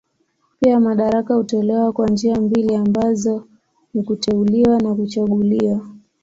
Pia madaraka hutolewa kwa njia mbili ambazo ni kuteuliwa na kuchaguliwa.